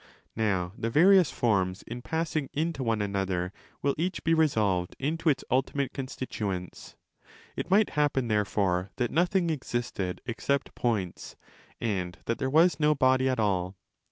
Now the various forms in passing into one another will each be resolved into its ultimate constituents. It might happen therefore that nothing existed except points, and that there was no body at all.